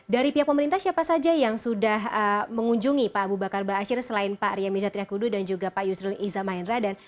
dari pihak pemerintah siapa saja yang sudah mengunjungi pak abu bakar ba'asyir selain pak ria mirza triakudu dan juga pak yusril iza maenradan